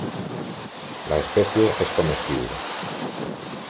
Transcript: La especie es comestible.